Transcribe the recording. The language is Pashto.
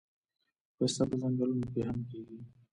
پسته په ځنګلونو کې هم کیږي